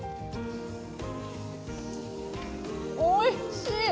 おいしい！